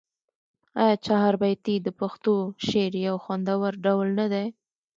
آیا چهاربیتې د پښتو شعر یو خوندور ډول نه دی؟